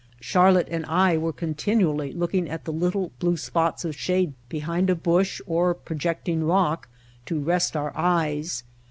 Charlotte and I were continually looking at the little blue spots of shade behind a bush or projecting rock to rest our eyes.